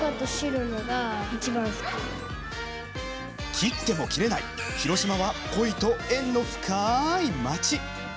切っても切れない広島はコイと縁の深い町。